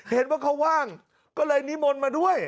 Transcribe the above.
เห็นว่าเขาว่างก็เลยนิมนต์มาด้วย